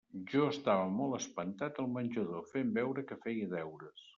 Jo estava molt espantat al menjador, fent veure que feia deures.